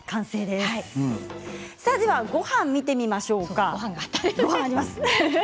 ではごはんを見てみましょうか。